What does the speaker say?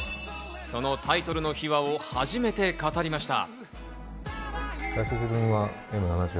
そのタイトルの秘話を初めて語りました。